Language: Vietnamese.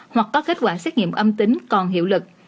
hoặc có kết quả xét nghiệm âm tính còn hiệu lực